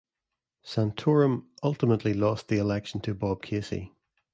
Santorum ultimately lost the election to Bob Casey.